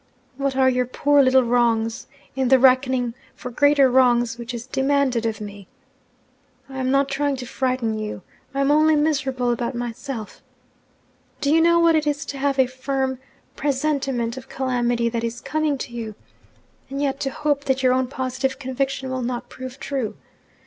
What are your poor little wrongs, in the reckoning for greater wrongs which is demanded of me? I am not trying to frighten you, I am only miserable about myself. Do you know what it is to have a firm presentiment of calamity that is coming to you and yet to hope that your own positive conviction will not prove true?